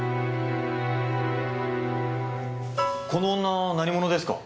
この女何者ですか？